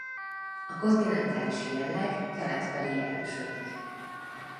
A kontinentális jelleg kelet felé erősödik.